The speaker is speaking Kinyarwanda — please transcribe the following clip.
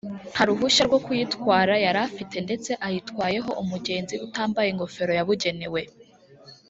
nta ruhushya rwo kuyitwara yari afite ndetse ayitwayeho umugenzi utambaye ingofero yabugenewe